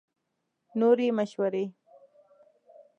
نورې مشورې